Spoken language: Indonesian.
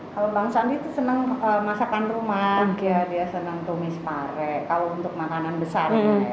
kalau bang sandi itu senang masakan rumah dia senang tumis pare kalau untuk makanan besar